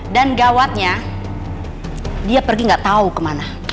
dan gawatnya dia pergi gak tau kemana